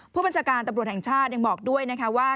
ผู้บัญชาการตำรวจแห่งชาติยังบอกด้วยนะคะว่า